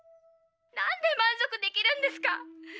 なんで満足できるんですか。